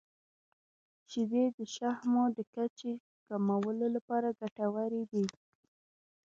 • شیدې د شحمو د کچې کمولو لپاره ګټورې دي.